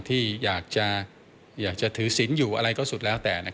ที่อยากจะถือศิลป์อยู่อะไรก็สุดแล้วแต่